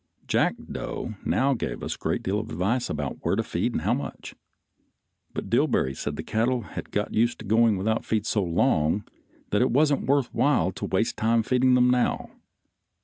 Jackdo now gave us a great deal of advice about where to feed and how much, but Dillbery said the cattle had got used to going without feed so long that it wasn't worth while to waste time feeding them now.